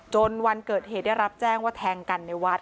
วันเกิดเหตุได้รับแจ้งว่าแทงกันในวัด